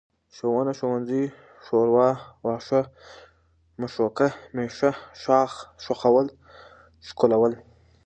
ښوونه، ښوونځی، ښوروا، واښه، مښوکه، مېښه، ښاخ، ښخول، ښکلول